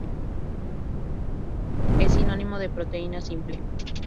Es sinónimo de proteína simple.